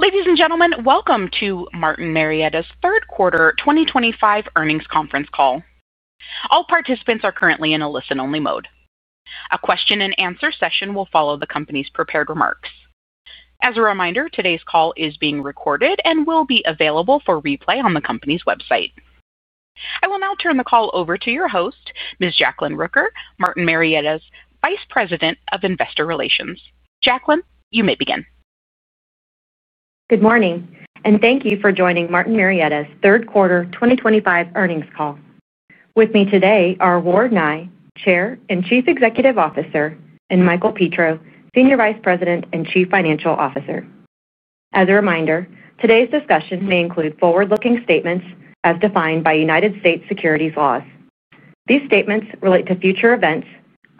Ladies and gentlemen, welcome to Martin Marietta's third quarter 2025 earnings conference call. All participants are currently in a listen-only mode. A question-and-answer session will follow the company's prepared remarks. As a reminder, today's call is being recorded and will be available for replay on the company's website. I will now turn the call over to your host, Ms. Jacklyn Rooker, Martin Marietta's Vice President of Investor Relations. Jacklyn, you may begin. Good morning, and thank you for joining Martin Marietta's third quarter 2025 earnings call. With me today are Ward Nye, Chair and Chief Executive Officer, and Michael Petro, Senior Vice President and Chief Financial Officer. As a reminder, today's discussion may include forward-looking statements as defined by United States securities laws. These statements relate to future events,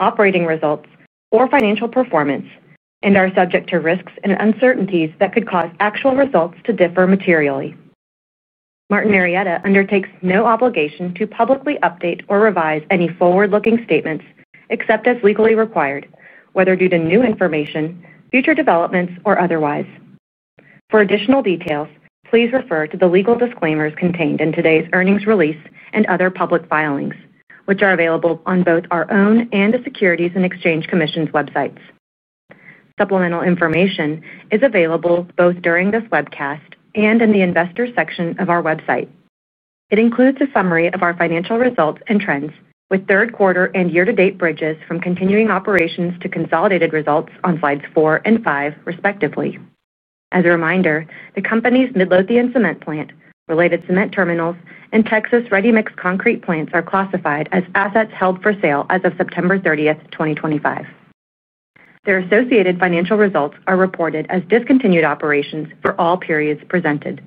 operating results, or financial performance, and are subject to risks and uncertainties that could cause actual results to differ materially. Martin Marietta undertakes no obligation to publicly update or revise any forward-looking statements except as legally required, whether due to new information, future developments, or otherwise. For additional details, please refer to the legal disclaimers contained in today's earnings release and other public filings, which are available on both our own and the Securities and Exchange Commission's websites. Supplemental information is available both during this webcast and in the investor section of our website. It includes a summary of our financial results and trends, with third quarter and year-to-date bridges from continuing operations to consolidated results on slides four and five, respectively. As a reminder, the company's Midlothian Cement Plant, related cement terminals, and Texas Ready Mix Concrete Plants are classified as assets held for sale as of September 30, 2025. Their associated financial results are reported as discontinued operations for all periods presented.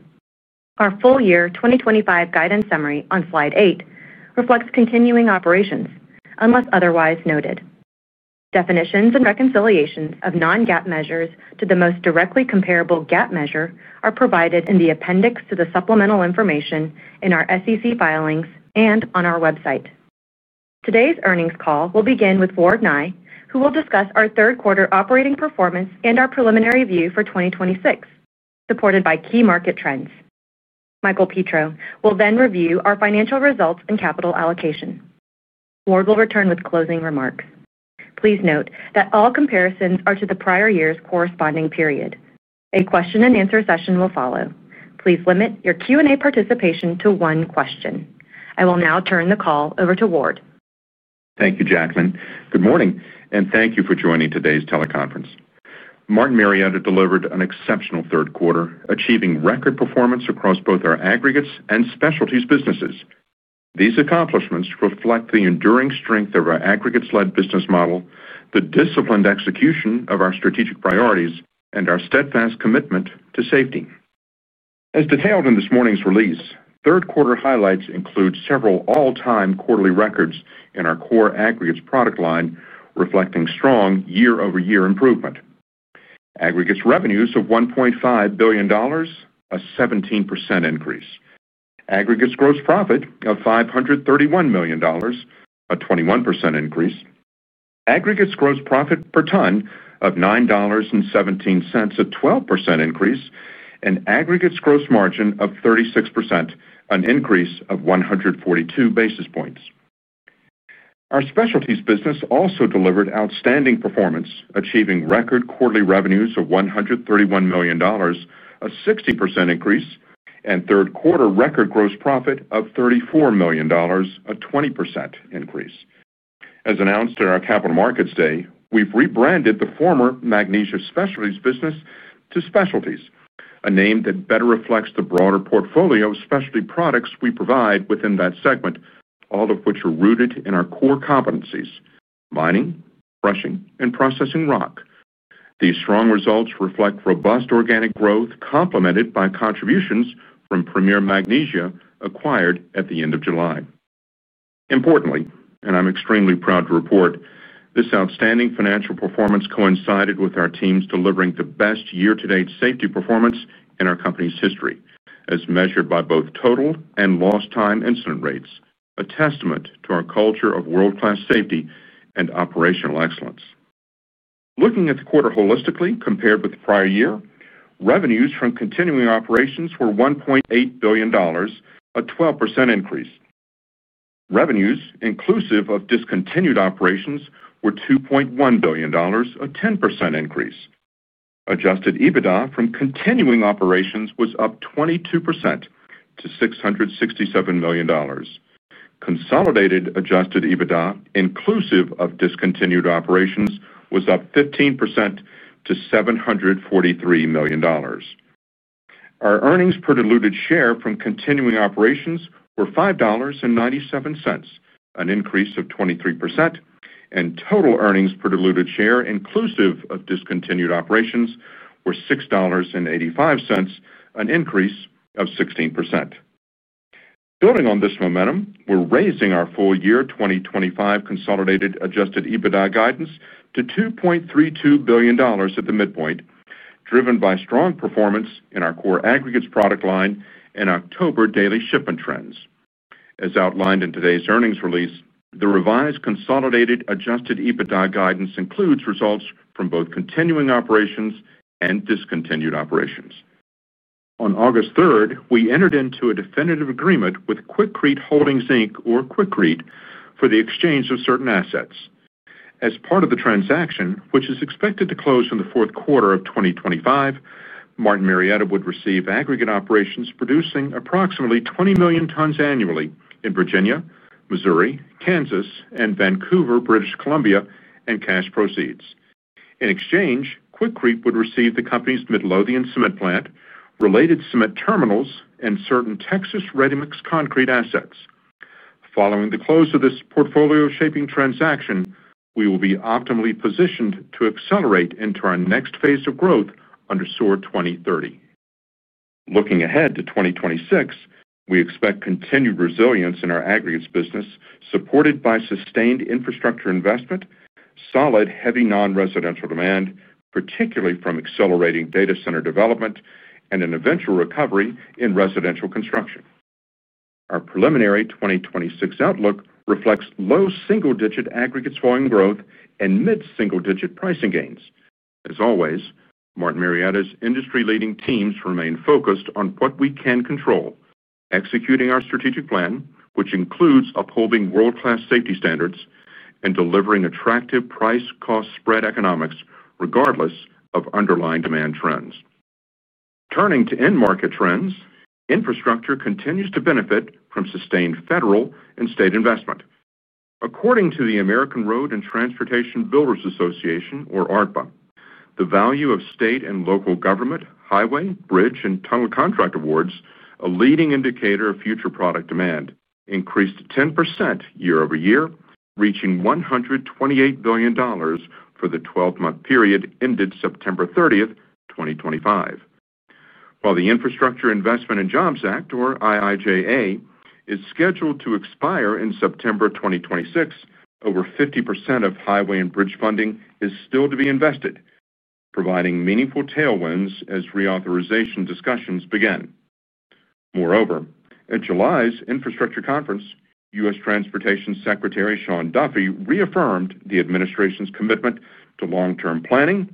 Our full year 2025 guidance summary on slide eight reflects continuing operations unless otherwise noted. Definitions and reconciliations of Non-GAAP measures to the most directly comparable GAAP measure are provided in the appendix to the supplemental information in our SEC filings and on our website. Today's earnings call will begin with Ward Nye, who will discuss our third quarter operating performance and our preliminary view for 2026, supported by key market trends. Michael Petro will then review our financial results and capital allocation. Ward will return with closing remarks. Please note that all comparisons are to the prior year's corresponding period. A question-and-answer session will follow. Please limit your Q&A participation to one question. I will now turn the call over to Ward. Thank you, Jacklyn. Good morning, and thank you for joining today's teleconference. Martin Marietta delivered an exceptional third quarter, achieving record performance across both our aggregates and specialties businesses. These accomplishments reflect the enduring strength of our aggregates-led business model, the disciplined execution of our strategic priorities, and our steadfast commitment to safety. As detailed in this morning's release, third quarter highlights include several all-time quarterly records in our core aggregates product line, reflecting strong year-over-year improvement. Aggregates revenues of $1.5 billion. A 17% increase. Aggregates gross profit of $531 million, a 21% increase. Aggregates gross profit per ton of $9.17, a 12% increase, and aggregates gross margin of 36%, an increase of 142 basis points. Our specialties business also delivered outstanding performance, achieving record quarterly revenues of $131 million, a 60% increase, and third quarter record gross profit of $34 million, a 20% increase. As announced at our Capital Markets Day, we've rebranded the former magnesium specialties business to Specialties, a name that better reflects the broader portfolio of specialty products we provide within that segment, all of which are rooted in our core competencies: mining, crushing, and processing rock. These strong results reflect robust organic growth, complemented by contributions from Premier Magnesium acquired at the end of July. Importantly, and I'm extremely proud to report, this outstanding financial performance coincided with our teams delivering the best year-to-date safety performance in our company's history, as measured by both total and lost-time incident rates, a testament to our culture of world-class safety and operational excellence. Looking at the quarter holistically compared with the prior year, revenues from continuing operations were $1.8 billion, a 12% increase. Revenues, inclusive of discontinued operations, were $2.1 billion, a 10% increase. Adjusted EBITDA from continuing operations was up 22% to $667 million. Consolidated Adjusted EBITDA, inclusive of discontinued operations, was up 15% to $743 million. Our earnings per diluted share from continuing operations were $5.97, an increase of 23%, and total earnings per diluted share, inclusive of discontinued operations, were $6.85, an increase of 16%. Building on this momentum, we're raising our full year 2025 consolidated Adjusted EBITDA guidance to $2.32 billion at the midpoint, driven by strong performance in our core aggregates product line and October daily shipment trends. As outlined in today's earnings release, the revised consolidated Adjusted EBITDA guidance includes results from both continuing operations and discontinued operations. On August 3, we entered into a definitive agreement with Quikrete Holdings Inc., or Quikrete, for the exchange of certain assets. As part of the transaction, which is expected to close in the fourth quarter of 2025. Martin Marietta would receive aggregates operations producing approximately 20 million tons annually in Virginia, Missouri, Kansas, and Vancouver, British Columbia, and cash proceeds. In exchange, Quikrete would receive the company's Midlothian Cement Plant, related cement terminals, and certain Texas Ready Mix Concrete assets. Following the close of this portfolio-shaping transaction, we will be optimally positioned to accelerate into our next phase of growth under SOAR 2030. Looking ahead to 2026, we expect continued resilience in our aggregates business, supported by sustained infrastructure investment, solid heavy non-residential demand, particularly from accelerating data center development, and an eventual recovery in residential construction. Our preliminary 2026 outlook reflects low single-digit aggregates volume growth and mid-single-digit pricing gains. As always, Martin Marietta's industry-leading teams remain focused on what we can control, executing our strategic plan, which includes upholding world-class safety standards and delivering attractive price-cost spread economics regardless of underlying demand trends. Turning to end market trends, infrastructure continues to benefit from sustained federal and state investment. According to the American Road and Transportation Builders Association, or ARTBA, the value of state and local government highway, bridge, and tunnel contract awards, a leading indicator of future product demand, increased 10% year-over-year, reaching $128 billion for the 12-month period ended September 30, 2025. While the Infrastructure Investment and Jobs Act, or IIJA, is scheduled to expire in September 2026, over 50% of highway and bridge funding is still to be invested, providing meaningful tailwinds as reauthorization discussions begin. Moreover, at July's infrastructure conference, U.S. Transportation Secretary Sean Duffy reaffirmed the administration's commitment to long-term planning,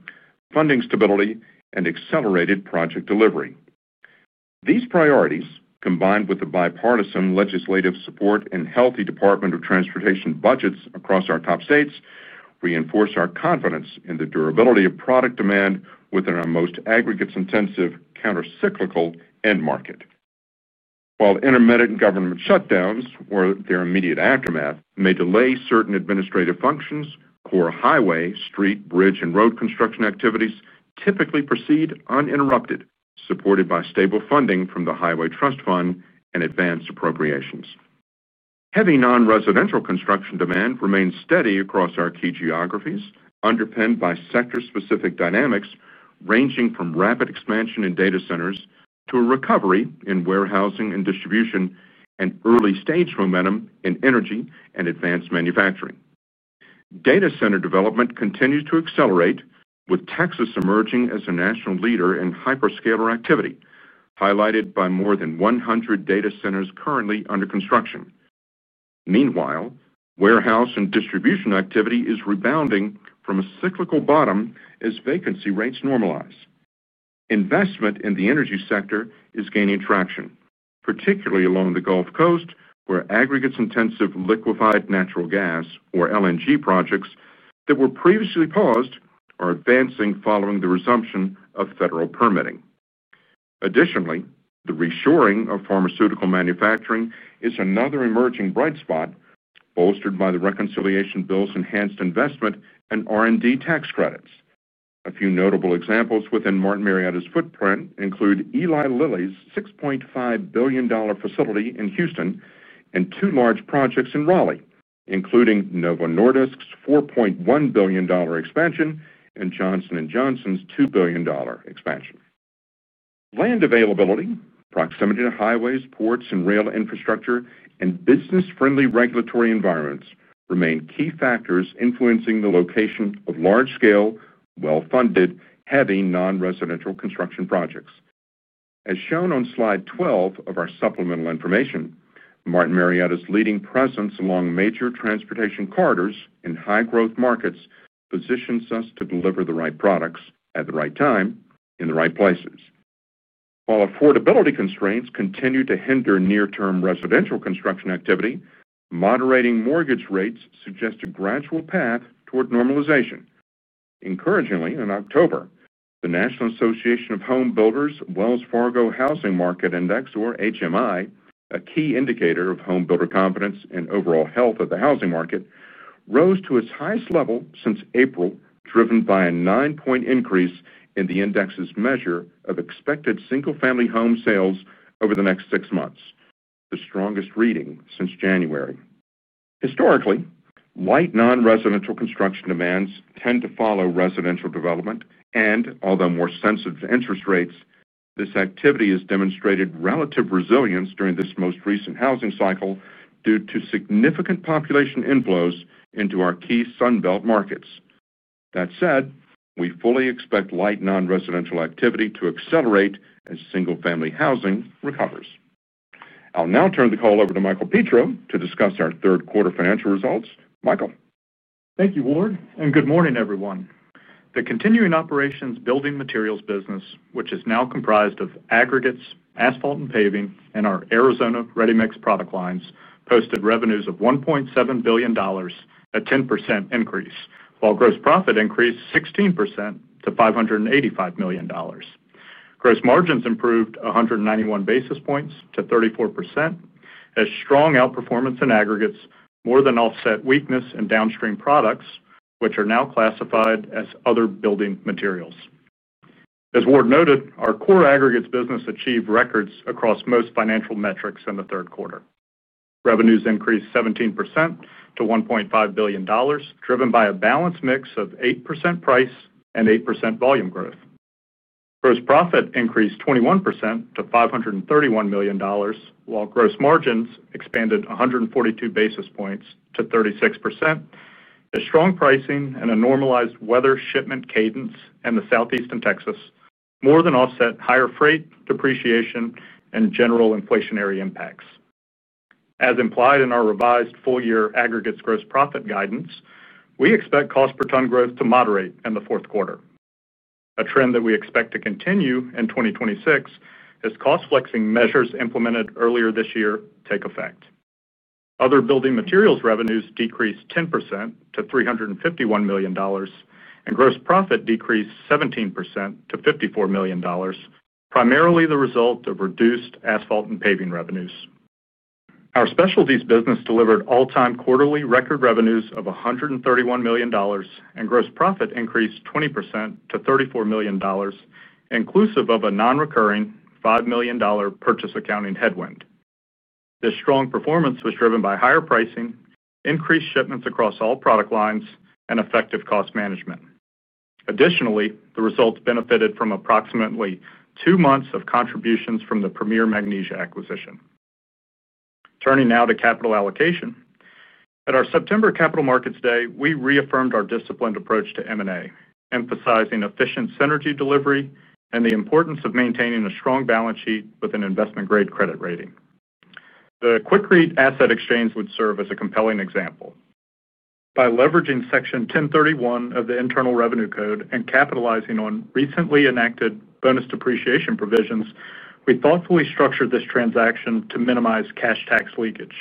funding stability, and accelerated project delivery. These priorities, combined with the bipartisan legislative support and healthy Department of Transportation budgets across our top states, reinforce our confidence in the durability of product demand within our most aggregates-intensive countercyclical end market. While intermittent government shutdowns, or their immediate aftermath, may delay certain administrative functions, core highway, street, bridge, and road construction activities typically proceed uninterrupted, supported by stable funding from the Highway Trust Fund and advanced appropriations. Heavy non-residential construction demand remains steady across our key geographies, underpinned by sector-specific dynamics ranging from rapid expansion in data centers to a recovery in warehousing and distribution and early-stage momentum in energy and advanced manufacturing. Data center development continues to accelerate, with Texas emerging as a national leader in hyperscaler activity, highlighted by more than 100 data centers currently under construction. Meanwhile, warehouse and distribution activity is rebounding from a cyclical bottom as vacancy rates normalize. Investment in the energy sector is gaining traction, particularly along the Gulf Coast, where aggregates-intensive liquefied natural gas, or LNG, projects that were previously paused are advancing following the resumption of federal permitting. Additionally, the reshoring of pharmaceutical manufacturing is another emerging bright spot, bolstered by the reconciliation bill's enhanced investment and R&D tax credits. A few notable examples within Martin Marietta's footprint include Eli Lilly's $6.5 billion facility in Houston and two large projects in Raleigh, including Novo Nordisk's $4.1 billion expansion and Johnson & Johnson's $2 billion expansion. Land availability, proximity to highways, ports, and rail infrastructure, and business-friendly regulatory environments remain key factors influencing the location of large-scale, well-funded, heavy non-residential construction projects. As shown on slide 12 of our supplemental information, Martin Marietta's leading presence along major transportation corridors in high-growth markets positions us to deliver the right products at the right time in the right places. While affordability constraints continue to hinder near-term residential construction activity, moderating mortgage rates suggests a gradual path toward normalization. Encouragingly, in October, the National Association of Home Builders' Wells Fargo Housing Market Index, or HMI, a key indicator of home builder confidence and overall health of the housing market, rose to its highest level since April, driven by a nine-point increase in the index's measure of expected single-family home sales over the next six months, the strongest reading since January. Historically, light non-residential construction demands tend to follow residential development, and although more sensitive to interest rates, this activity has demonstrated relative resilience during this most recent housing cycle due to significant population inflows into our key Sunbelt markets. That said, we fully expect light non-residential activity to accelerate as single-family housing recovers. I'll now turn the call over to Michael Petro to discuss our third quarter financial results. Michael. Thank you, Ward, and good morning, everyone. The continuing operations building materials business, which is now comprised of aggregates, asphalt, and paving, and our Arizona Ready Mix product lines, posted revenues of $1.7 billion, a 10% increase, while gross profit increased 16% to $585 million. Gross margins improved 191 basis points to 34%. As strong outperformance in aggregates more than offset weakness in downstream products, which are now classified as other building materials. As Ward noted, our core aggregates business achieved records across most financial metrics in the third quarter. Revenues increased 17% to $1.5 billion, driven by a balanced mix of 8% price and 8% volume growth. Gross profit increased 21% to $531 million, while gross margins expanded 142 basis points to 36%. As strong pricing and a normalized weather shipment cadence in the Southeast and Texas more than offset higher freight depreciation and general inflationary impacts. As implied in our revised full-year aggregates gross profit guidance, we expect cost per ton growth to moderate in the fourth quarter. A trend that we expect to continue in 2026 as cost-flexing measures implemented earlier this year take effect. Other building materials revenues decreased 10% to $351 million, and gross profit decreased 17% to $54 million, primarily the result of reduced asphalt and paving revenues. Our specialties business delivered all-time quarterly record revenues of $131 million, and gross profit increased 20% to $34 million, inclusive of a non-recurring $5 million purchase accounting headwind. This strong performance was driven by higher pricing, increased shipments across all product lines, and effective cost management. Additionally, the results benefited from approximately two months of contributions from the Premier Magnesium acquisition. Turning now to capital allocation. At our September Capital Markets Day, we reaffirmed our disciplined approach to M&A, emphasizing efficient synergy delivery and the importance of maintaining a strong balance sheet with an investment-grade credit rating. The Quikrete asset exchange would serve as a compelling example. By leveraging Section 1031 of the Internal Revenue Code and capitalizing on recently enacted bonus depreciation provisions, we thoughtfully structured this transaction to minimize cash tax leakage.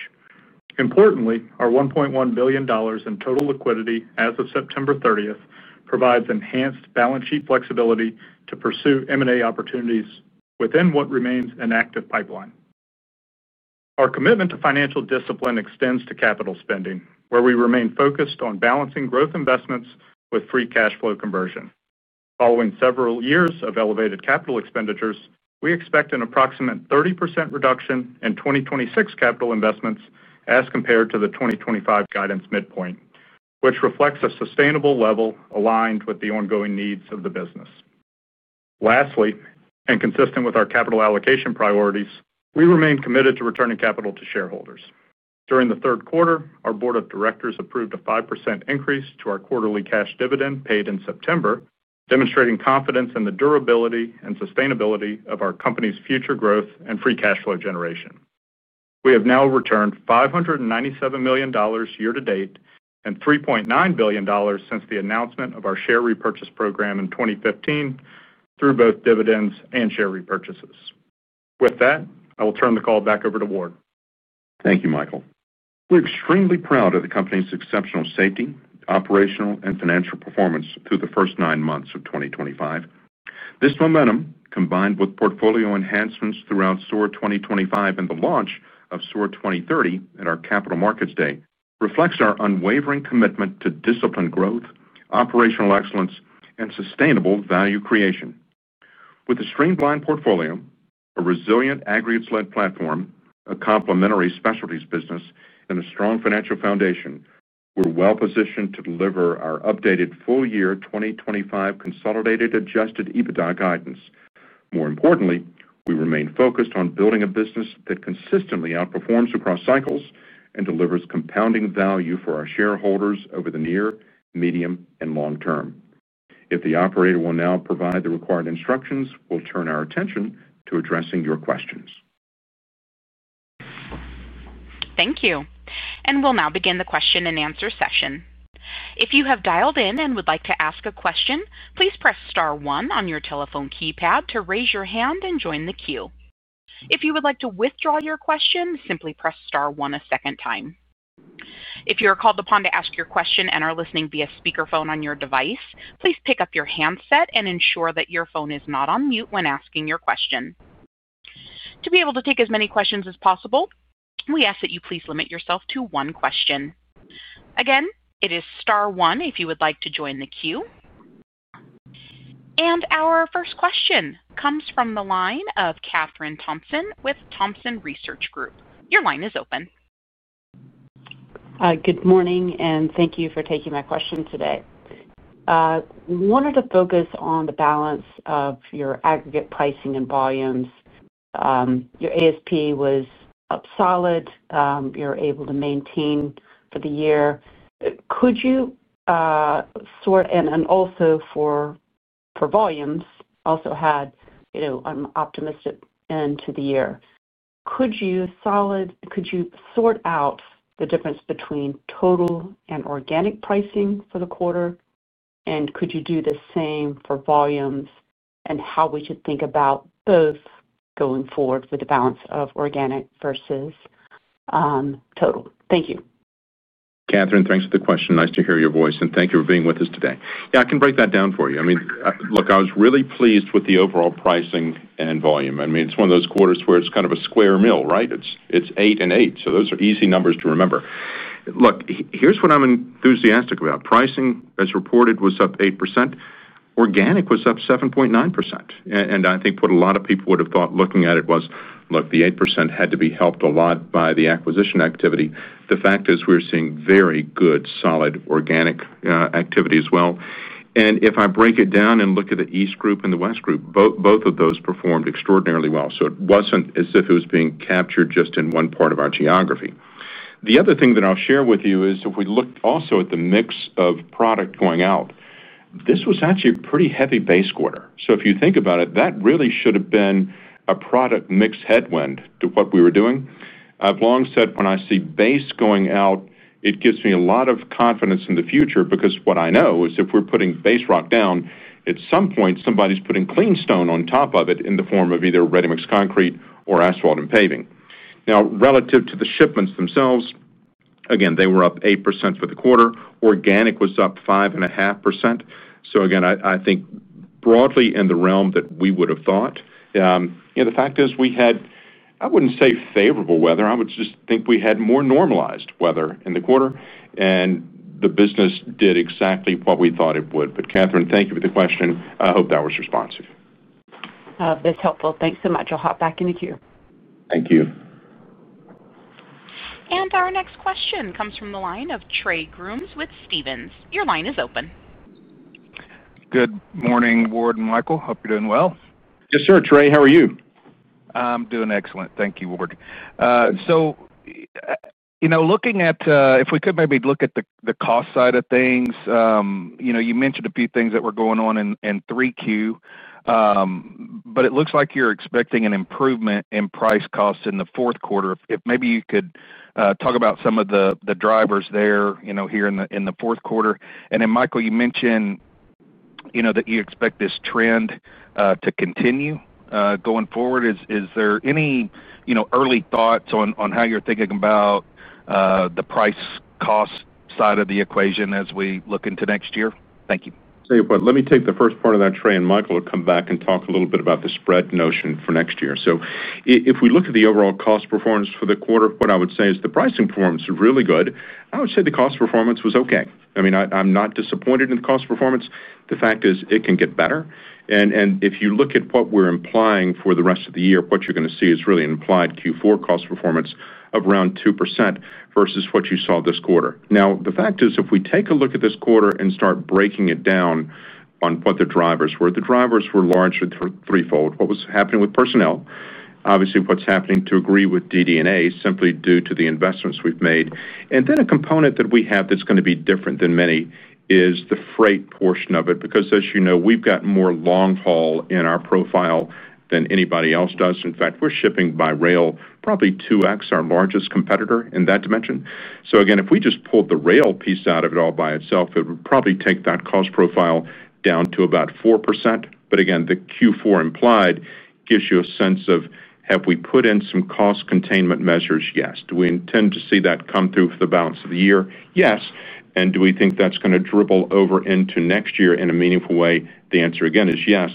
Importantly, our $1.1 billion in total liquidity as of September 30 provides enhanced balance sheet flexibility to pursue M&A opportunities within what remains an active pipeline. Our commitment to financial discipline extends to capital spending, where we remain focused on balancing growth investments with free cash flow conversion. Following several years of elevated capital expenditures, we expect an approximate 30% reduction in 2026 capital investments as compared to the 2025 guidance midpoint, which reflects a sustainable level aligned with the ongoing needs of the business. Lastly, and consistent with our capital allocation priorities, we remain committed to returning capital to shareholders. During the third quarter, our board of directors approved a 5% increase to our quarterly cash dividend paid in September, demonstrating confidence in the durability and sustainability of our company's future growth and free cash flow generation. We have now returned $597 million year-to-date and $3.9 billion since the announcement of our share repurchase program in 2015 through both dividends and share repurchases. With that, I will turn the call back over to Ward. Thank you, Michael. We're extremely proud of the company's exceptional safety, operational, and financial performance through the first nine months of 2025. This momentum, combined with portfolio enhancements throughout SOAR 2025 and the launch of SOAR 2030 at our Capital Markets Day, reflects our unwavering commitment to disciplined growth, operational excellence, and sustainable value creation. With a streamlined portfolio, a resilient aggregates-led platform, a complementary specialties business, and a strong financial foundation, we're well-positioned to deliver our updated full-year 2025 consolidated Adjusted EBITDA guidance. More importantly, we remain focused on building a business that consistently outperforms across cycles and delivers compounding value for our shareholders over the near, medium, and long term. If the operator will now provide the required instructions, we'll turn our attention to addressing your questions. Thank you. And we'll now begin the question-and-answer session. If you have dialed in and would like to ask a question, please press star one on your telephone keypad to raise your hand and join the queue. If you would like to withdraw your question, simply press star one a second time. If you are called upon to ask your question and are listening via speakerphone on your device, please pick up your handset and ensure that your phone is not on mute when asking your question. To be able to take as many questions as possible, we ask that you please limit yourself to one question. Again, it is star one if you would like to join the queue. And our first question comes from the line of Kathryn Thompson with Thompson Research Group. Your line is open. Good morning, and thank you for taking my question today. I wanted to focus on the balance of your aggregate pricing and volumes. Your ASP was solid. You're able to maintain for the year. Could you sort and also for volumes also had. I'm optimistic into the year. Could you sort out the difference between total and organic pricing for the quarter? And could you do the same for volumes and how we should think about both going forward with the balance of organic versus total? Thank you. Kathryn, thanks for the question. Nice to hear your voice, and thank you for being with us today. Yeah, I can break that down for you. I mean, look, I was really pleased with the overall pricing and volume. I mean, it's one of those quarters where it's kind of a square meal, right? It's eight and eight, so those are easy numbers to remember. Look, here's what I'm enthusiastic about. Pricing, as reported, was up 8%. Organic was up 7.9%. And I think what a lot of people would have thought looking at it was, look, the 8% had to be helped a lot by the acquisition activity. The fact is we're seeing very good solid organic activity as well. And if I break it down and look at the East Group and the West Group, both of those performed extraordinarily well. So it wasn't as if it was being captured just in one part of our geography. The other thing that I'll share with you is if we look also at the mix of product going out, this was actually a pretty heavy base quarter. So if you think about it, that really should have been a product mix headwind to what we were doing. I've long said when I see base going out, it gives me a lot of confidence in the future because what I know is if we're putting base rock down, at some point, somebody's putting clean stone on top of it in the form of either ready-mix concrete or asphalt and paving. Now, relative to the shipments themselves, again, they were up 8% for the quarter. Organic was up 5.5%. So again, I think broadly in the realm that we would have thought. The fact is we had, I wouldn't say favorable weather. I would just think we had more normalized weather in the quarter, and the business did exactly what we thought it would. But Kathryn, thank you for the question. I hope that was responsive. That's helpful. Thanks so much. I'll hop back into queue. Thank you. Our next question comes from the line of Trey Grooms with Stephens. Your line is open. Good morning, Ward and Michael. Hope you're doing well. Yes, sir. Trey, how are you? I'm doing excellent. Thank you, Ward. So. Looking at if we could maybe look at the cost side of things, you mentioned a few things that were going on in Q3. But it looks like you're expecting an improvement in price costs in the fourth quarter. If maybe you could talk about some of the drivers there here in the fourth quarter. And then, Michael, you mentioned. That you expect this trend to continue going forward. Is there any early thoughts on how you're thinking about. The price cost side of the equation as we look into next year? Thank you. Same point. Let me take the first part of that, Trey, and Michael will come back and talk a little bit about the spread notion for next year. So if we look at the overall cost performance for the quarter, what I would say is the pricing performance is really good. I would say the cost performance was okay. I mean, I'm not disappointed in the cost performance. The fact is it can get better. And if you look at what we're implying for the rest of the year, what you're going to see is really an implied Q4 cost performance of around 2% versus what you saw this quarter. Now, the fact is if we take a look at this quarter and start breaking it down, on what the drivers were, the drivers were largely threefold. What was happening with personnel? Obviously, what's happening with DD&A simply due to the investments we've made. And then a component that we have that's going to be different than many is the freight portion of it because, as you know, we've got more long haul in our profile than anybody else does. In fact, we're shipping by rail probably 2X our largest competitor in that dimension. So again, if we just pulled the rail piece out of it all by itself, it would probably take that cost profile down to about 4%. But again, the Q4 implied gives you a sense of, have we put in some cost containment measures? Yes. Do we intend to see that come through for the balance of the year? Yes. And do we think that's going to dribble over into next year in a meaningful way? The answer, again, is yes.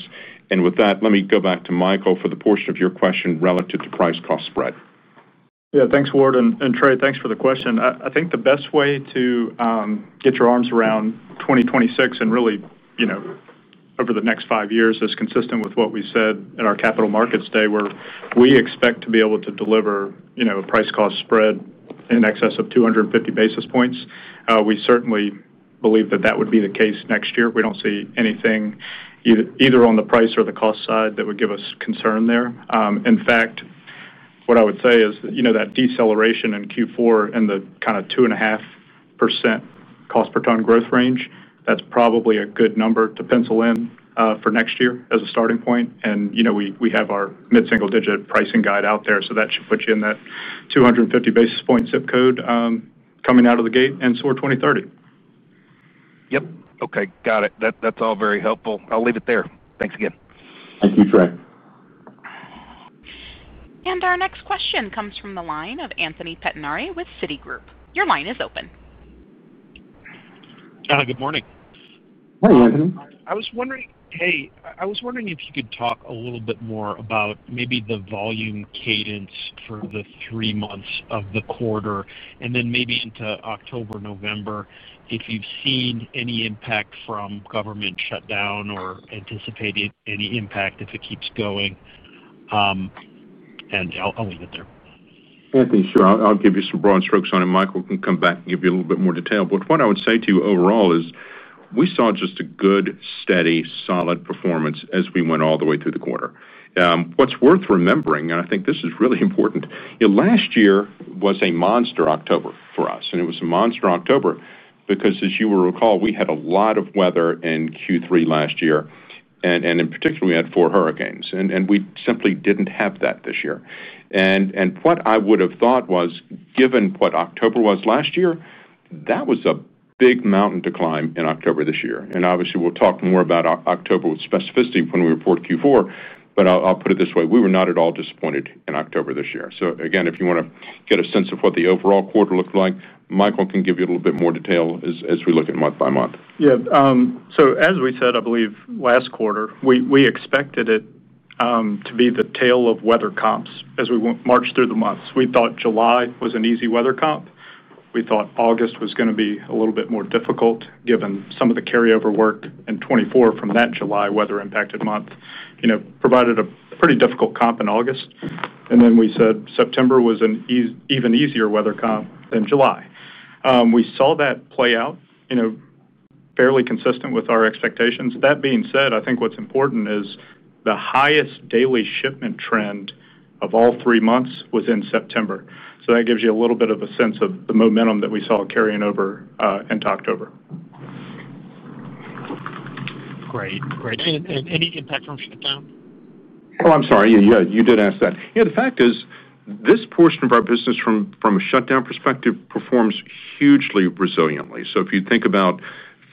And with that, let me go back to Michael for the portion of your question relative to price cost spread. Yeah. Thanks, Ward. And Trey, thanks for the question. I think the best way to get your arms around 2026 and really over the next five years is consistent with what we said at our Capital Markets Day, where we expect to be able to deliver a price cost spread in excess of 250 basis points. We certainly believe that that would be the case next year. We don't see anything either on the price or the cost side that would give us concern there. In fact, what I would say is that deceleration in Q4 and the kind of 2.5% cost per ton growth range, that's probably a good number to pencil in for next year as a starting point. And we have our mid-single digit pricing guide out there, so that should put you in that 250 basis point zip code coming out of the gate and SOAR 2030. Yep. Okay. Got it. That's all very helpful. I'll leave it there. Thanks again. Thank you, Trey. Our next question comes from the line of Anthony Pettinari with Citigroup. Your line is open. Good morning. Hey, Anthony. I was wondering, hey, I was wondering if you could talk a little bit more about maybe the volume cadence for the three months of the quarter and then maybe into October, November, if you've seen any impact from government shutdown or anticipated any impact if it keeps going? And I'll leave it there. Anthony, sure. I'll give you some broad strokes on it. Michael can come back and give you a little bit more detail. But what I would say to you overall is we saw just a good, steady, solid performance as we went all the way through the quarter. What's worth remembering, and I think this is really important, last year was a monster October for us. And it was a monster October because, as you will recall, we had a lot of weather in Q3 last year. And in particular, we had four hurricanes. And we simply didn't have that this year. And what I would have thought was, given what October was last year, that was a big mountain to climb in October this year. And obviously, we'll talk more about October with specificity when we report Q4, but I'll put it this way. We were not at all disappointed in October this year. So again, if you want to get a sense of what the overall quarter looked like, Michael can give you a little bit more detail as we look at month by month. Yeah. So as we said, I believe last quarter, we expected it to be the tale of weather comps as we marched through the months. We thought July was an easy weather comp. We thought August was going to be a little bit more difficult given some of the carryover work in 2024 from that July weather-impacted month provided a pretty difficult comp in August. And then we said September was an even easier weather comp than July. We saw that play out fairly consistent with our expectations. That being said, I think what's important is the highest daily shipment trend of all three months was in September. So that gives you a little bit of a sense of the momentum that we saw carrying over into October. Great. Great, and any impact from shutdown? Oh, I'm sorry. Yeah, you did ask that. Yeah, the fact is this portion of our business from a shutdown perspective performs hugely resiliently, so if you think about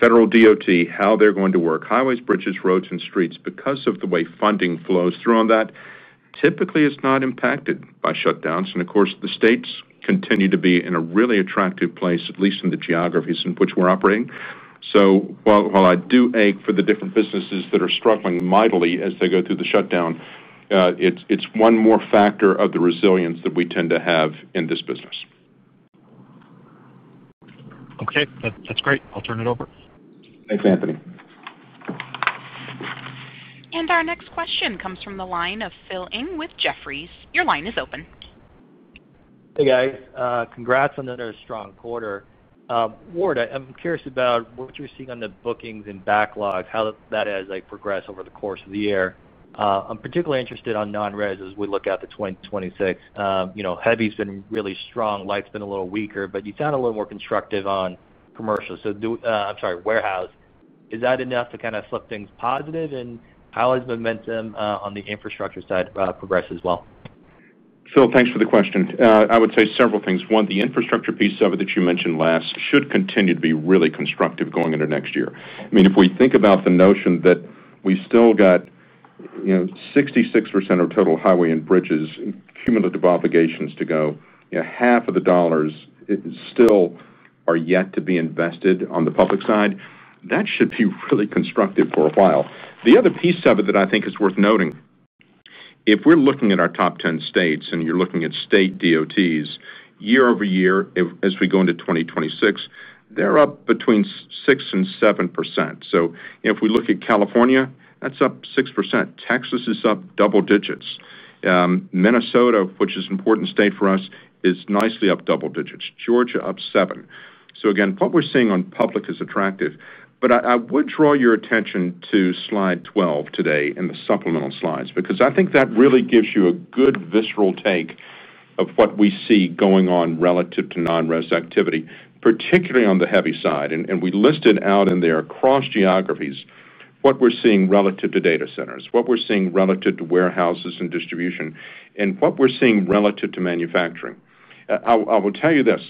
federal DOT, how they're going to work, highways, bridges, roads, and streets, because of the way funding flows through on that, typically it's not impacted by shutdowns. And of course, the states continue to be in a really attractive place, at least in the geographies in which we're operating, and of course, the states continue to be in a really attractive place, at least in the geographies in which we're operating, so while I do ache for the different businesses that are struggling mightily as they go through the shutdown, it's one more factor of the resilience that we tend to have in this business. Okay. That's great. I'll turn it over. Thanks, Anthony. Our next question comes from the line of Phil Ng with Jefferies. Your line is open. Hey, guys. Congrats on another strong quarter. Ward, I'm curious about what you're seeing on the bookings and backlogs, how that has progressed over the course of the year. I'm particularly interested on non-res as we look at the 2026. Heavy's been really strong. Light's been a little weaker, but you sound a little more constructive on commercial. So I'm sorry, warehouse. Is that enough to kind of flip things positive? And how has momentum on the infrastructure side progressed as well? Phil, thanks for the question. I would say several things. One, the infrastructure piece of it that you mentioned last should continue to be really constructive going into next year. I mean, if we think about the notion that we've still got 66% of total highway and bridges cumulative obligations to go, half of the dollars still are yet to be invested on the public side. That should be really constructive for a while. The other piece of it that I think is worth noting. If we're looking at our top 10 states and you're looking at state DOTs, year-over-year, as we go into 2026, they're up between 6% and 7%. So if we look at California, that's up 6%. Texas is up double digits. Minnesota, which is an important state for us, is nicely up double digits. Georgia up 7%. So again, what we're seeing on public is attractive. But I would draw your attention to slide 12 today in the supplemental slides because I think that really gives you a good visceral take of what we see going on relative to non-res activity, particularly on the heavy side. And we listed out in there across geographies what we're seeing relative to data centers, what we're seeing relative to warehouses and distribution, and what we're seeing relative to manufacturing. I will tell you this.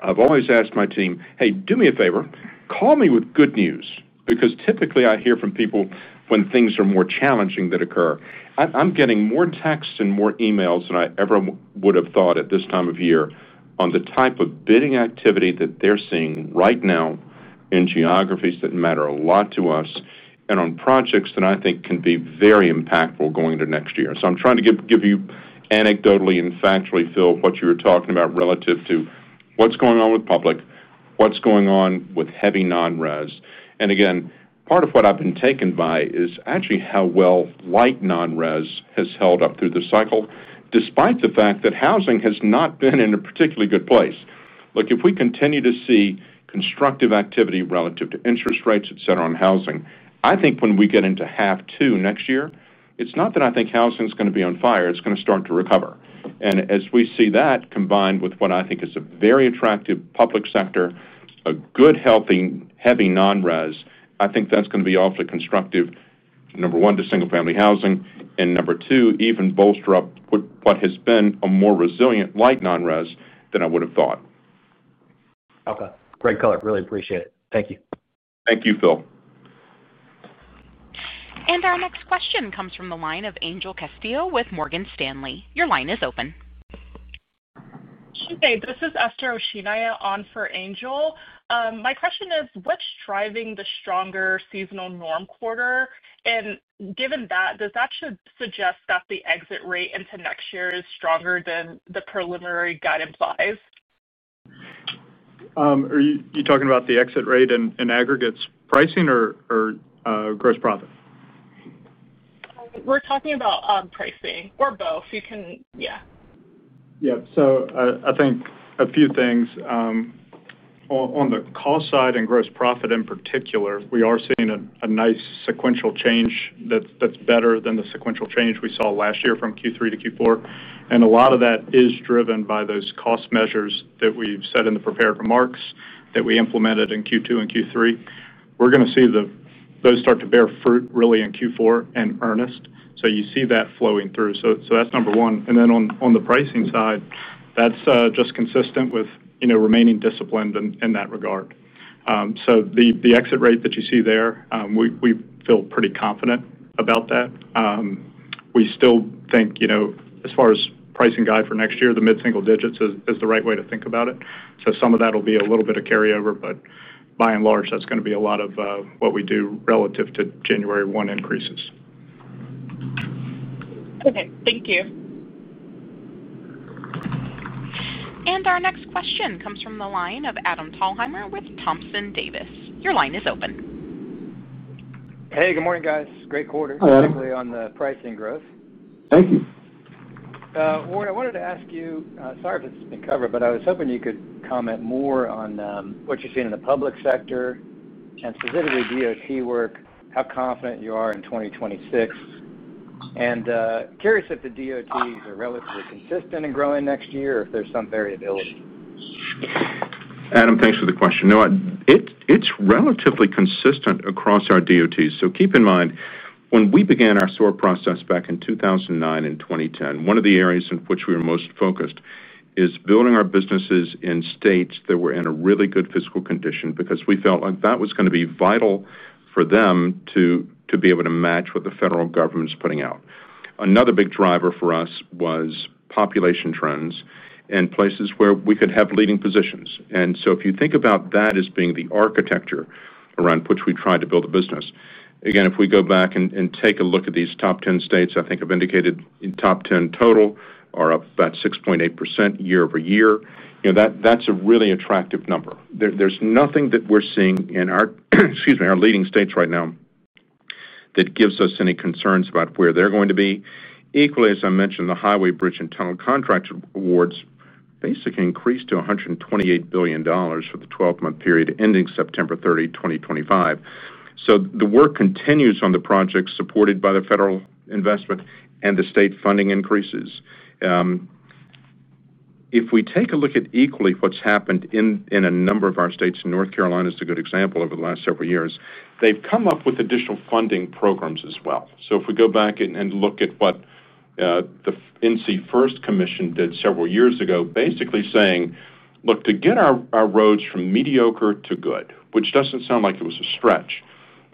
I've always asked my team, "Hey, do me a favor. Call me with good news." Because typically, I hear from people when things are more challenging that occur. I'm getting more texts and more emails than I ever would have thought at this time of year on the type of bidding activity that they're seeing right now in geographies that matter a lot to us and on projects that I think can be very impactful going into next year. So I'm trying to give you anecdotally and factually, Phil, what you were talking about relative to what's going on with public, what's going on with heavy non-res. And again, part of what I've been taken by is actually how well light non-res has held up through the cycle, despite the fact that housing has not been in a particularly good place. Look, if we continue to see constructive activity relative to interest rates, etc., on housing, I think when we get into half two next year, it's not that I think housing is going to be on fire. It's going to start to recover. And as we see that combined with what I think is a very attractive public sector, a good, healthy, heavy non-res, I think that's going to be awfully constructive, number one, to single-family housing, and number two, even bolster up what has been a more resilient light non-res than I would have thought. Okay. Great color. Really appreciate it. Thank you. Thank you, Phil. Our next question comes from the line of Angel Castillo with Morgan Stanley. Your line is open. Hey, this is Esther Osinaiya on for Angel. My question is, what's driving the stronger seasonal norm quarter? And given that, does that suggest that the exit rate into next year is stronger than the preliminary guide implies? Are you talking about the exit rate in aggregate pricing or gross profit? We're talking about pricing or both. Yeah. Yeah, so I think a few things. On the cost side and gross profit in particular, we are seeing a nice sequential change that's better than the sequential change we saw last year from Q3 to Q4, and a lot of that is driven by those cost measures that we've set in the prepared remarks that we implemented in Q2 and Q3. We're going to see those start to bear fruit really in Q4 in earnest, so you see that flowing through, so that's number one, and then on the pricing side, that's just consistent with remaining disciplined in that regard, so the exit rate that you see there, we feel pretty confident about that. We still think, as far as pricing guide for next year, the mid-single digits is the right way to think about it, so some of that will be a little bit of carryover, but by and large, that's going to be a lot of what we do relative to January 1 increases. Okay. Thank you. Our next question comes from the line of Adam Thalhimer with Thompson Davis. Your line is open. Hey, good morning, guys. Great quarter, particularly on the pricing growth. Thank you. Ward, I wanted to ask you, sorry if it's been covered, but I was hoping you could comment more on what you've seen in the public sector and specifically DOT work, how confident you are in 2026, and curious if the DOTs are relatively consistent in growing next year or if there's some variability. Adam, thanks for the question. No, it's relatively consistent across our DOTs. So keep in mind, when we began our SOAR process back in 2009 and 2010, one of the areas in which we were most focused is building our businesses in states that were in a really good fiscal condition because we felt like that was going to be vital for them to be able to match what the federal government is putting out. Another big driver for us was population trends and places where we could have leading positions. And so if you think about that as being the architecture around which we tried to build a business. Again, if we go back and take a look at these top 10 states, I think I've indicated top 10 total are up about 6.8% year-over-year. That's a really attractive number. There's nothing that we're seeing in our leading states right now. That gives us any concerns about where they're going to be. Equally, as I mentioned, the highway, bridge, and tunnel contract awards basically increased to $128 billion for the 12-month period ending September 30, 2025. So the work continues on the projects supported by the federal investment and the state funding increases. If we take a look at equally what's happened in a number of our states, North Carolina is a good example over the last several years, they've come up with additional funding programs as well. So if we go back and look at what the NC First Commission did several years ago, basically saying, "Look, to get our roads from mediocre to good," which doesn't sound like it was a stretch,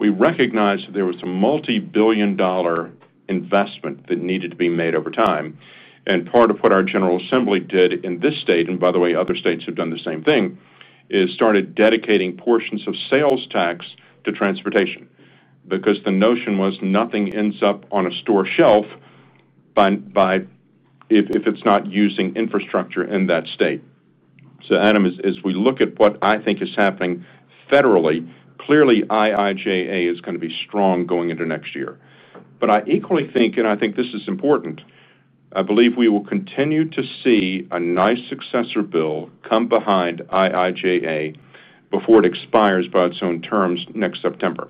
we recognize that there was a multi-billion dollar investment that needed to be made over time. And part of what our General Assembly did in this state, and by the way, other states have done the same thing, is started dedicating portions of sales tax to transportation because the notion was nothing ends up on a store shelf. If it's not using infrastructure in that state. So Adam, as we look at what I think is happening federally, clearly IIJA is going to be strong going into next year. But I equally think, and I think this is important, I believe we will continue to see a nice successor bill come behind IIJA before it expires by its own terms next September.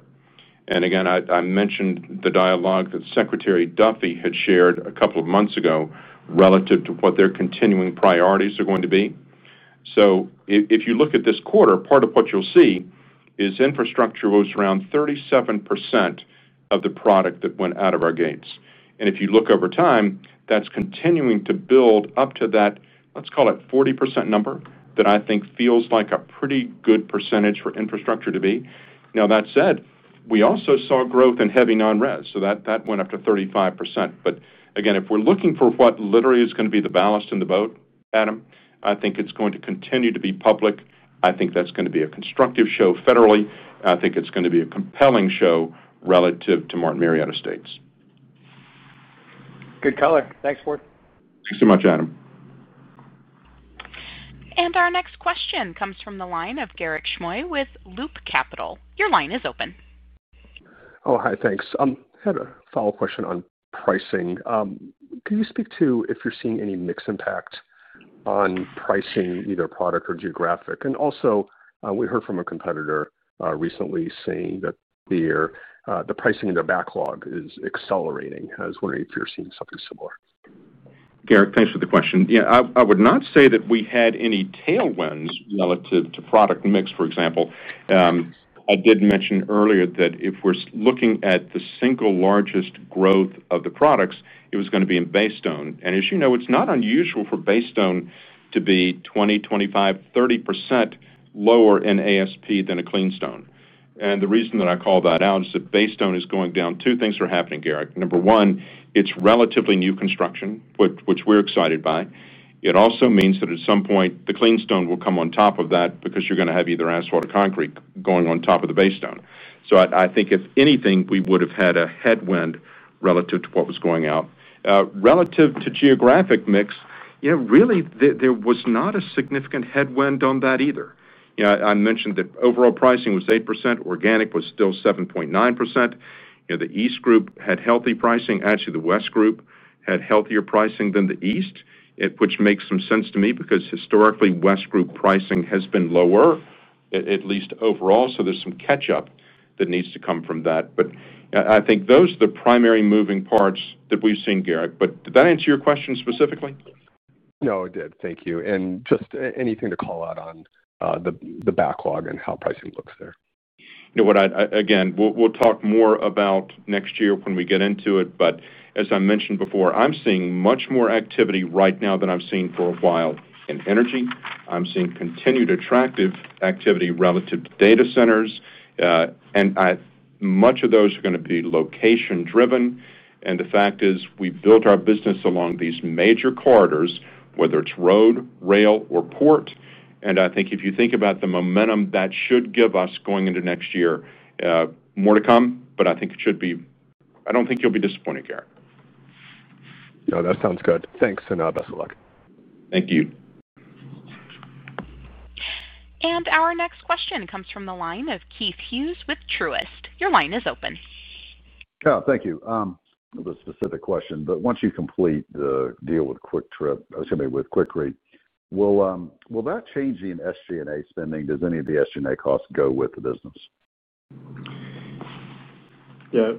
And again, I mentioned the dialogue that Secretary Duffy had shared a couple of months ago relative to what their continuing priorities are going to be. So if you look at this quarter, part of what you'll see is infrastructure was around 37% of the product that went out of our gates. And if you look over time, that's continuing to build up to that, let's call it 40% number, that I think feels like a pretty good percentage for infrastructure to be. Now, that said, we also saw growth in heavy non-res. So that went up to 35%. But again, if we're looking for what literally is going to be the ballast in the boat, Adam, I think it's going to continue to be public. I think that's going to be a constructive show federally. I think it's going to be a compelling show relative to Martin Marietta states. Good color. Thanks, Ward. Thanks so much, Adam. Our next question comes from the line of Garik Shmois with Loop Capital. Your line is open. Oh, hi, thanks. I had a follow-up question on pricing. Can you speak to if you're seeing any mixed impact on pricing, either product or geographic? And also, we heard from a competitor recently saying that the pricing in their backlog is accelerating. I was wondering if you're seeing something similar. Garik, thanks for the question. Yeah, I would not say that we had any tailwinds relative to product mix, for example. I did mention earlier that if we're looking at the single largest growth of the products, it was going to be in basestone. And as you know, it's not unusual for basestone to be 20%, 25%, 30% lower in ASP than a cleanstone. And the reason that I call that out is that basestone is going down. Two things are happening, Garik. Number one, it's relatively new construction, which we're excited by. It also means that at some point, the cleanstone will come on top of that because you're going to have either asphalt or concrete going on top of the basestone. So I think if anything, we would have had a headwind relative to what was going out. Relative to geographic mix, really, there was not a significant headwind on that either. I mentioned that overall pricing was 8%. Organic was still 7.9%. The East Group had healthy pricing. Actually, the West Group had healthier pricing than the East, which makes some sense to me because historically, West Group pricing has been lower, at least overall. So there's some catch-up that needs to come from that. But I think those are the primary moving parts that we've seen, Garik. But did that answer your question specifically? No, it did. Thank you, and just anything to call out on the backlog and how pricing looks there? Again, we'll talk more about next year when we get into it. But as I mentioned before, I'm seeing much more activity right now than I've seen for a while in energy. I'm seeing continued attractive activity relative to data centers. And much of those are going to be location-driven. And the fact is we built our business along these major corridors, whether it's road, rail, or port. And I think if you think about the momentum, that should give us going into next year. More to come, but I think it should be. I don't think you'll be disappointed, Garik. No, that sounds good. Thanks, and best of luck. Thank you. And our next question comes from the line of Keith Hughes with Truist. Your line is open. Oh, thank you. The specific question. But once you complete the deal with Quikrete, excuse me, with Quikrete, will that change the SG&A spending? Does any of the SG&A costs go with the business? Yeah.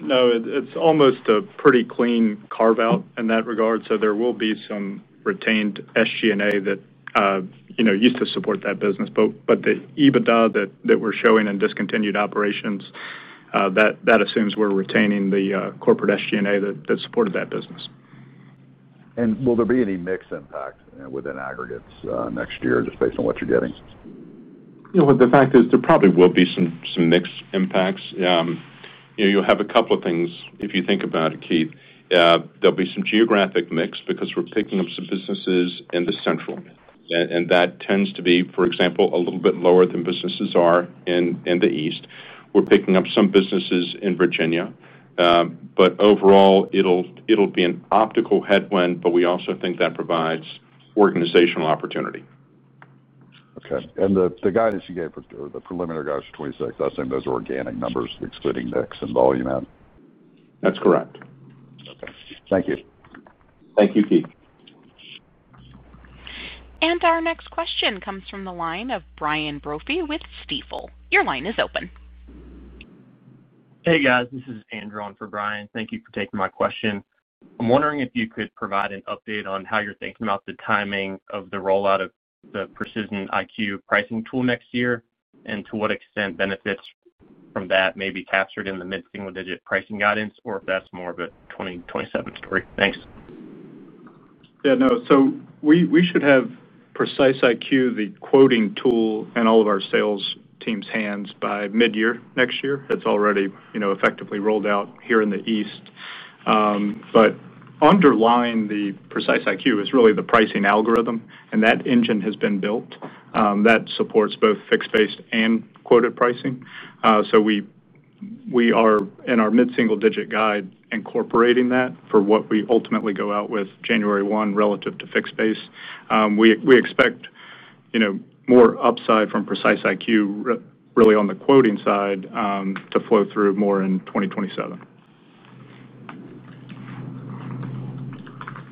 No, it's almost a pretty clean carve-out in that regard. So there will be some retained SG&A that used to support that business. But the EBITDA that we're showing in discontinued operations, that assumes we're retaining the corporate SG&A that supported that business. Will there be any mixed impact within aggregates next year, just based on what you're getting? The fact is there probably will be some mixed impacts. You'll have a couple of things if you think about it, Keith. There'll be some geographic mix because we're picking up some businesses in the central. And that tends to be, for example, a little bit lower than businesses are in the east. We're picking up some businesses in Virginia. But overall, it'll be an optical headwind, but we also think that provides organizational opportunity. Okay, and the guidance you gave for the preliminary guidance for 2026, I assume those are organic numbers, excluding mix and volume out? That's correct. Okay. Thank you. Thank you, Keith. And our next question comes from the line of Brian Brophy with SunTrust. Your line is open. Hey, guys. This is Andrew on for Brian. Thank you for taking my question. I'm wondering if you could provide an update on how you're thinking about the timing of the rollout of the Precise IQ pricing tool next year and to what extent benefits from that may be captured in the mid-single-digit pricing guidance or if that's more of a 2027 story. Thanks. Yeah, no. So we should have Precise IQ, the quoting tool, in all of our sales team's hands by mid-year next year. It's already effectively rolled out here in the east. But underlying the Precise IQ is really the pricing algorithm, and that engine has been built. That supports both fixed-based and quoted pricing. So we are in our mid-single-digit guide incorporating that for what we ultimately go out with January 1 relative to fixed-based. We expect more upside from Precise IQ really on the quoting side to flow through more in 2027.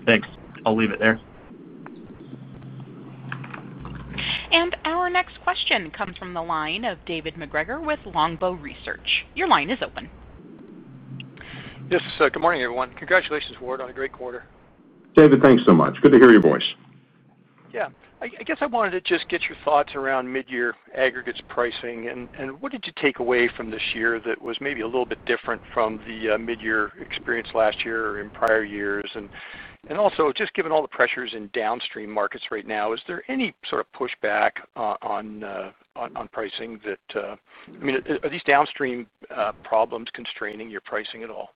Thanks. I'll leave it there. Our next question comes from the line of David MacGregor with Longbow Research. Your line is open. Yes, sir. Good morning, everyone. Congratulations, Ward, on a great quarter. David, thanks so much. Good to hear your voice. Yeah. I guess I wanted to just get your thoughts around mid-year aggregates pricing and what did you take away from this year that was maybe a little bit different from the mid-year experience last year or in prior years? And also, just given all the pressures in downstream markets right now, is there any sort of pushback on pricing that—I mean, are these downstream problems constraining your pricing at all?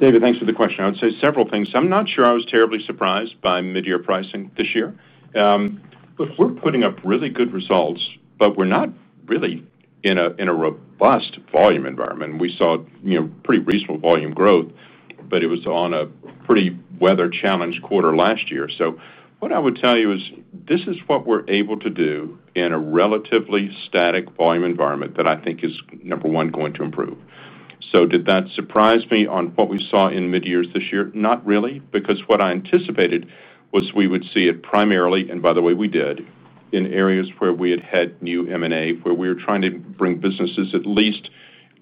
David, thanks for the question. I would say several things. I'm not sure I was terribly surprised by mid-year pricing this year, but we're putting up really good results, but we're not really in a robust volume environment. We saw pretty reasonable volume growth, but it was on a pretty weather-challenged quarter last year, so what I would tell you is this is what we're able to do in a relatively static volume environment that I think is, number one, going to improve, so did that surprise me on what we saw in mid-years this year? Not really, because what I anticipated was we would see it primarily, and by the way, we did, in areas where we had had new M&A, where we were trying to bring businesses at least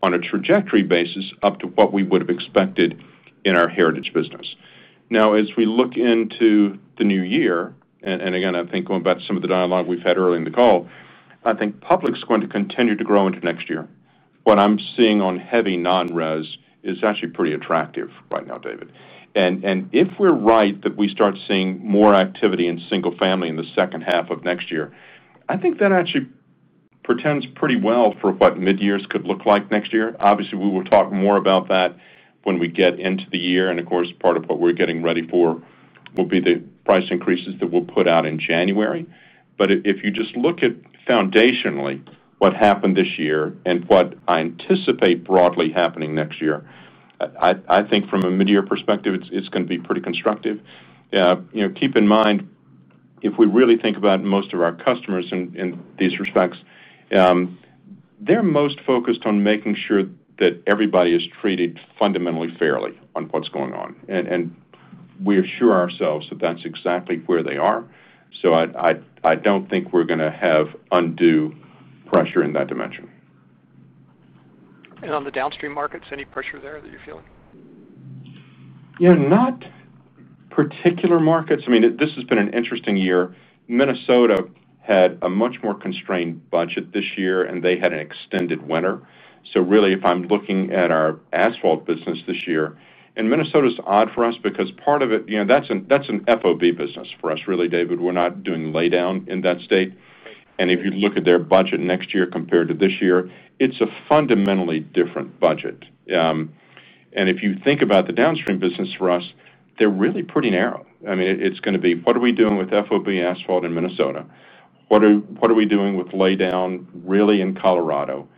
on a trajectory basis up to what we would have expected in our heritage business. Now, as we look into the new year, and again, I think going back to some of the dialogue we've had early in the call, I think public's going to continue to grow into next year. What I'm seeing on heavy non-res is actually pretty attractive right now, David, and if we're right that we start seeing more activity in single-family in the second half of next year, I think that actually portends pretty well for what mid-years could look like next year. Obviously, we will talk more about that when we get into the year, and of course, part of what we're getting ready for will be the price increases that we'll put out in January, but if you just look at foundationally what happened this year and what I anticipate broadly happening next year, I think from a mid-year perspective, it's going to be pretty constructive. Keep in mind, if we really think about most of our customers in these respects, they're most focused on making sure that everybody is treated fundamentally fairly on what's going on, and we assure ourselves that that's exactly where they are, so I don't think we're going to have undue pressure in that dimension. On the downstream markets, any pressure there that you're feeling? Yeah, not particular markets. I mean, this has been an interesting year. Minnesota had a much more constrained budget this year, and they had an extended winter. So really, if I'm looking at our asphalt business this year, and Minnesota's odd for us because part of it, that's an FOB business for us, really, David. We're not doing lay down in that state. And if you look at their budget next year compared to this year, it's a fundamentally different budget. And if you think about the downstream business for us, they're really pretty narrow. I mean, it's going to be, what are we doing with FOB asphalt in Minnesota? What are we doing with lay down really in Colorado?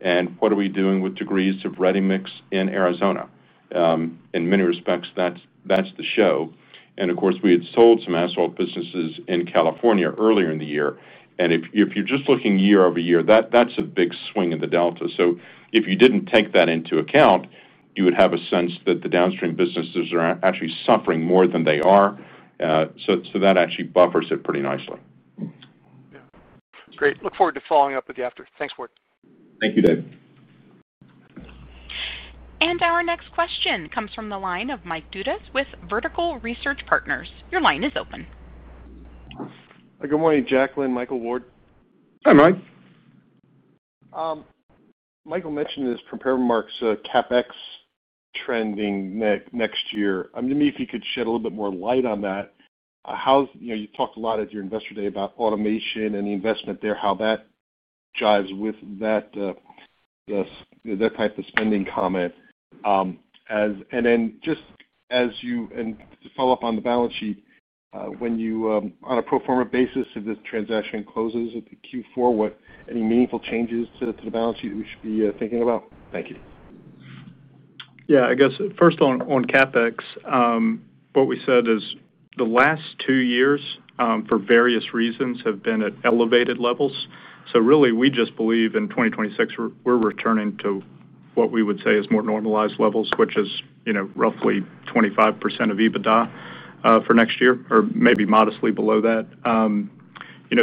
And what are we doing with degrees of ready mix in Arizona? In many respects, that's the show. And of course, we had sold some asphalt businesses in California earlier in the year. And if you're just looking year-over-year, that's a big swing in the delta. So if you didn't take that into account, you would have a sense that the downstream businesses are actually suffering more than they are. So that actually buffers it pretty nicely. Great. Look forward to following up with you after. Thanks, Ward. Thank you, David. Our next question comes from the line of Mike Dudas with Vertical Research Partners. Your line is open. Good morning, Jacklyn. Michael Ward. Hi, Mike. Michael mentioned this prepared remarks CapEx trending next year. I mean, if you could shed a little bit more light on that. You talked a lot at your investor day about automation and the investment there, how that jives with that type of spending comment. And then just as you—and to follow up on the balance sheet—on a pro forma basis, if this transaction closes at the Q4, any meaningful changes to the balance sheet we should be thinking about? Thank you. Yeah. I guess first on CapEx. What we said is the last two years, for various reasons, have been at elevated levels. So really, we just believe in 2026, we're returning to what we would say is more normalized levels, which is roughly 25% of EBITDA for next year or maybe modestly below that.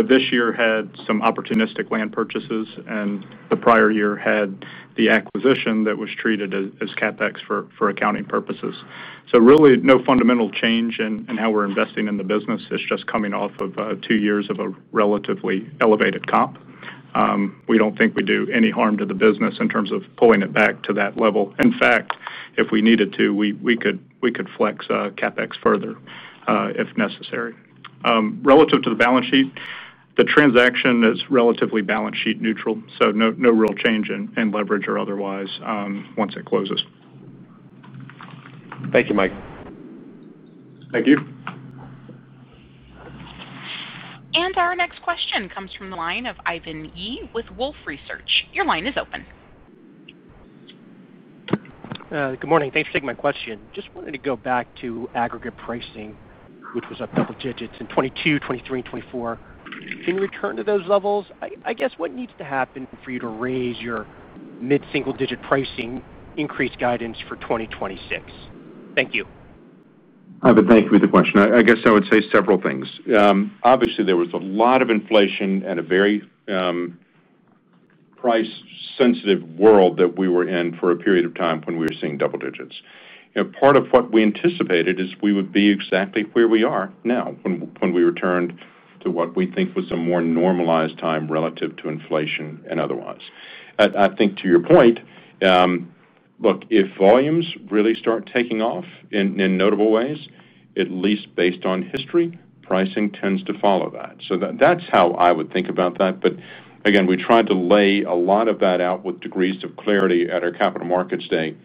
This year had some opportunistic land purchases, and the prior year had the acquisition that was treated as CapEx for accounting purposes. So really, no fundamental change in how we're investing in the business. It's just coming off of two years of a relatively elevated comp. We don't think we do any harm to the business in terms of pulling it back to that level. In fact, if we needed to, we could flex CapEx further if necessary. Relative to the balance sheet, the transaction is relatively balance sheet neutral. So no real change in leverage or otherwise once it closes. Thank you, Mike. Thank you. And our next question comes from the line of Ivan Yi with Wolfe Research. Your line is open. Good morning. Thanks for taking my question. Just wanted to go back to aggregate pricing, which was up double digits in 2022, 2023, and 2024. Can you return to those levels? I guess what needs to happen for you to raise your mid-single-digit pricing increase guidance for 2026? Thank you. I would thank you for the question. I guess I would say several things. Obviously, there was a lot of inflation and a very price-sensitive world that we were in for a period of time when we were seeing double digits. And part of what we anticipated is we would be exactly where we are now when we returned to what we think was a more normalized time relative to inflation and otherwise. I think to your point. Look, if volumes really start taking off in notable ways, at least based on history, pricing tends to follow that. So that's how I would think about that. But again, we tried to lay a lot of that out with degrees of clarity at our capital markets day,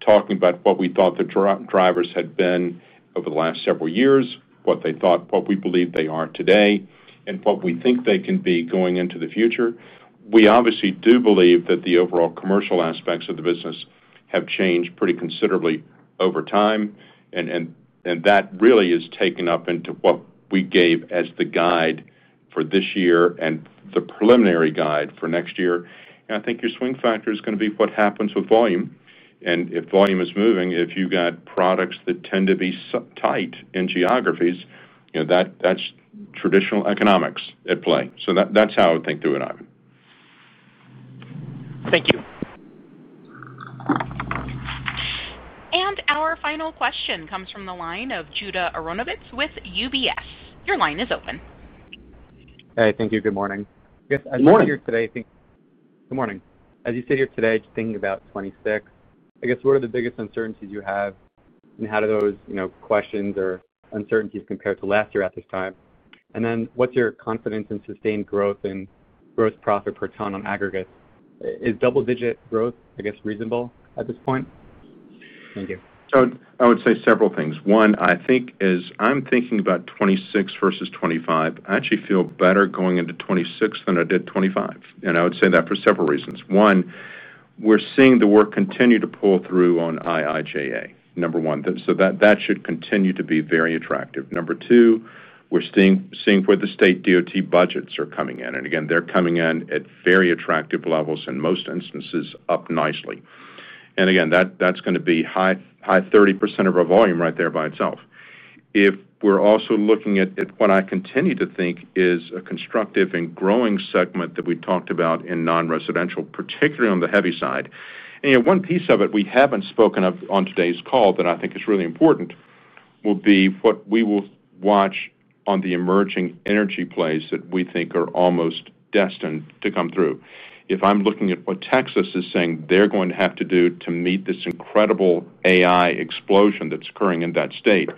talking about what we thought the drivers had been over the last several years, what they thought, what we believe they are today, and what we think they can be going into the future. We obviously do believe that the overall commercial aspects of the business have changed pretty considerably over time. And that really is taken up into what we gave as the guide for this year and the preliminary guide for next year. And I think your swing factor is going to be what happens with volume. And if volume is moving, if you got products that tend to be tight in geographies, that's traditional economics at play. So that's how I would think through it, Ivan. Thank you. And our final question comes from the line of Judah Aronovitz with UBS. Your line is open. Hey, thank you. Good morning. Good morning. As you sit here today, thinking about 2026, I guess, what are the biggest uncertainties you have? And how do those questions or uncertainties compare to last year at this time? And then what's your confidence in sustained growth and gross profit per ton on aggregates? Is double-digit growth, I guess, reasonable at this point? Thank you. So I would say several things. One, I think, is I'm thinking about 2026 versus 2025. I actually feel better going into 2026 than I did 2025. And I would say that for several reasons. One, we're seeing the work continue to pull through on IIJA, number one. So that should continue to be very attractive. Number two, we're seeing where the state DOT budgets are coming in. And again, they're coming in at very attractive levels in most instances, up nicely. And again, that's going to be high 30% of our volume right there by itself. If we're also looking at what I continue to think is a constructive and growing segment that we talked about in non-residential, particularly on the heavy side. And one piece of it we haven't spoken of on today's call that I think is really important will be what we will watch on the emerging energy plays that we think are almost destined to come through. If I'm looking at what Texas is saying they're going to have to do to meet this incredible AI explosion that's occurring in that state.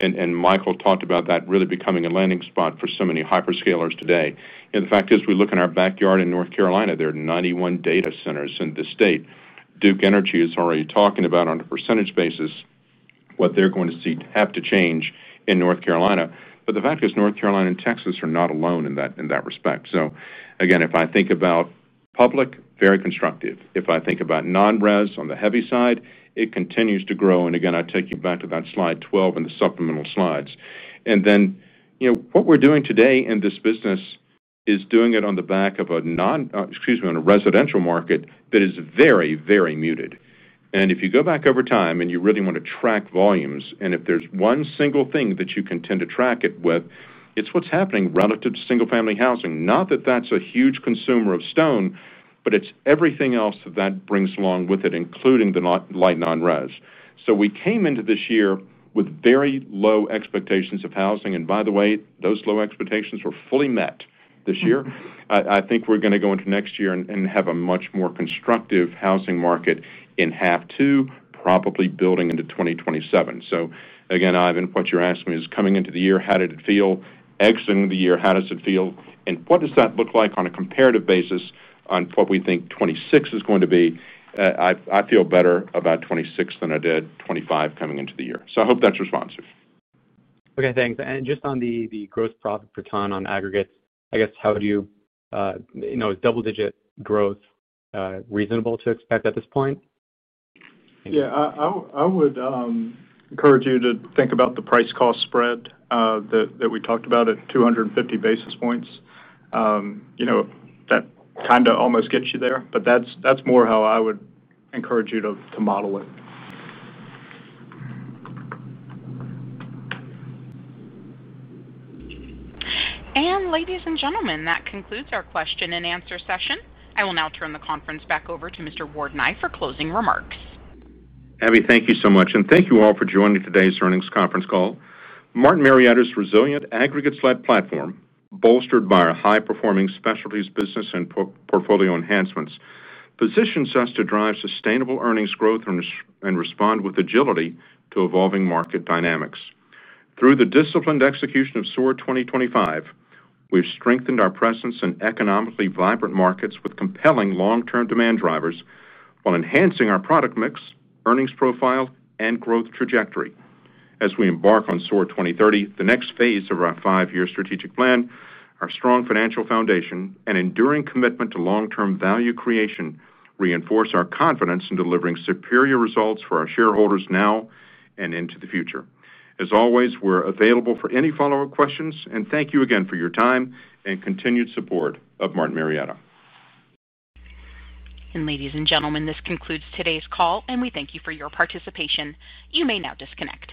And Michael talked about that really becoming a landing spot for so many hyperscalers today. And the fact is, we look in our backyard in North Carolina, there are 91 data centers in the state. Duke Energy is already talking about on a percentage basis what they're going to have to change in North Carolina. But the fact is, North Carolina and Texas are not alone in that respect. So again, if I think about public, very constructive. If I think about non-res on the heavy side, it continues to grow. And again, I take you back to that slide 12 and the supplemental slides. And then what we're doing today in this business is doing it on the back of a non-excuse me-on a residential market that is very, very muted. And if you go back over time and you really want to track volumes, and if there's one single thing that you can tend to track it with, it's what's happening relative to single-family housing. Not that that's a huge consumer of stone, but it's everything else that brings along with it, including the light non-res. So we came into this year with very low expectations of housing. And by the way, those low expectations were fully met this year. I think we're going to go into next year and have a much more constructive housing market in half to probably building into 2027. So again, Ivan, what you're asking me is coming into the year, how did it feel? Exiting the year, how does it feel? And what does that look like on a comparative basis on what we think 2026 is going to be? I feel better about 2026 than I did 2025 coming into the year. So I hope that's responsive. Okay. Thanks. And just on the gross profit per ton on aggregates, I guess, how would you know? Is double-digit growth reasonable to expect at this point? Yeah. I would encourage you to think about the price-cost spread that we talked about at 250 basis points. That kind of almost gets you there. But that's more how I would encourage you to model it. And ladies and gentlemen, that concludes our question-and-answer session. I will now turn the conference back over to Mr. Ward Nye for closing remarks. Abby, thank you so much. And thank you all for joining today's earnings conference call. Martin Marietta's resilient aggregates sales platform, bolstered by our high-performing specialties business and portfolio enhancements, positions us to drive sustainable earnings growth and respond with agility to evolving market dynamics. Through the disciplined execution of SOAR 2025, we've strengthened our presence in economically vibrant markets with compelling long-term demand drivers while enhancing our product mix, earnings profile, and growth trajectory. As we embark on SOAR 2030, the next phase of our five-year strategic plan, our strong financial foundation, and enduring commitment to long-term value creation reinforce our confidence in delivering superior results for our shareholders now and into the future. As always, we're available for any follow-up questions. And thank you again for your time and continued support of Martin Marietta. Ladies and gentlemen, this concludes today's call, and we thank you for your participation. You may now disconnect.